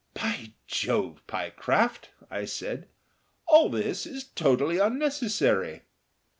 "By Jove, Pyecraft!" I said, "all this is totally unnecessary."